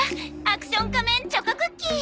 アクション仮面チョコクッキー。